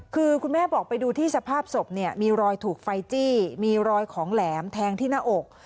คือคุณแม่บอกไปดูที่สภาพศพเนี่ยมีรอยถูกไฟจี้มีรอยของแหลมแทงที่หน้าอก